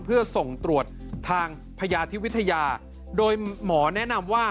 เพื่อส่งตรวจทางพยาธิวิทยาโดยหมอแนะนำว่า